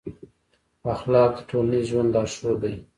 اخلاق د ټولنیز ژوند لارښود دی.